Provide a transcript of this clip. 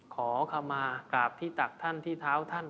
ขอคำมากราบที่ตักท่านที่เท้าท่าน